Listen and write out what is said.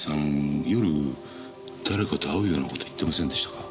夜誰かと会うような事言ってませんでしたか？